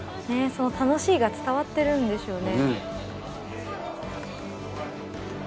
楽しいが伝わってるんでしょうね